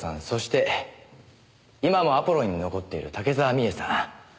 そして今もアポロンに残っている竹沢美枝さん。